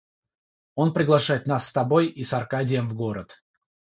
Он приглашает нас с тобой и с Аркадием в город.